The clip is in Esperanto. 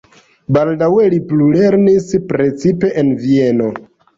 Baldaŭe li plulernis precipe en Vieno.